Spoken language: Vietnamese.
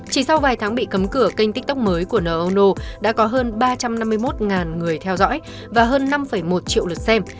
chỉ sau vài tháng bị cấm cửa kênh tiktok mới của no đã có hơn ba trăm năm mươi một người theo dõi và hơn năm một triệu lượt xem